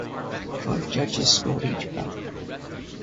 Five judges scored each bout.